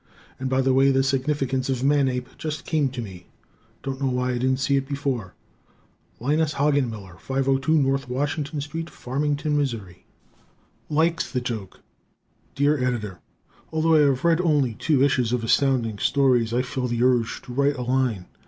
And, by the way, the significance of "Manape" just came to me. Don't know why I didn't see it before. Linus Hogenmiller, 502 N. Washington St., Farmington, Mo. Likes the "Joke" Dear Editor: Although I have read only two issues of Astounding Stories, I feel the urge to write a line.